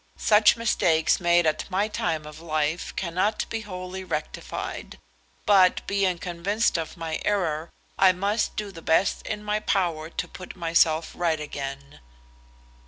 Such mistakes made at my time of life cannot be wholly rectified; but, being convinced of my error, I must do the best in my power to put myself right again."